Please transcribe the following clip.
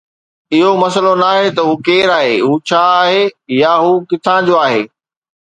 اهو مسئلو ناهي ته هو ڪير آهي، هو ڇا آهي، يا هو ڪٿان جو آهي.